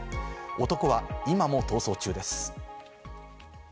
男は今も逃走中です。